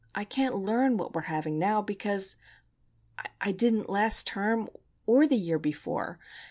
I can't learn what we are having now, because I didn't last term, or the year before.